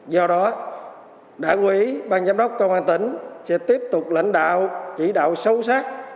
do đó đảm ủy bang giám đốc công an tỉnh sẽ tiếp tục lãnh đạo chỉ đạo sâu sắc